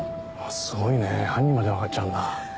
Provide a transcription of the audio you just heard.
すごいね犯人までわかっちゃうんだ。